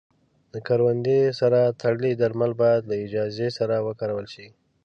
د کروندې سره تړلي درمل باید له اجازې سره وکارول شي.